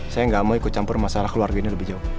saya nggak mau ikut campur masalah keluarga ini lebih jauh